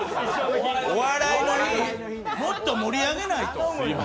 「お笑いの日」、もっと盛り上げないと。